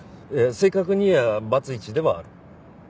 正確に言えばバツイチではある。